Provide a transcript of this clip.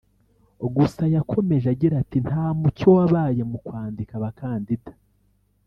Gusa yakomeje agira ati “ Nta mucyo wabaye mu kwandika abakandida